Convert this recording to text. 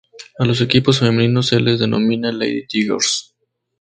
A los equipos femeninos se les denomina "Lady Tigers".